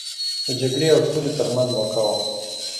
د جګړې او سولې ترمنځ موکه وه.